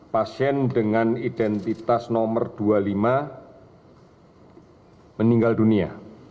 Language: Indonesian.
pasien dengan identitas nomor dua puluh lima meninggal dunia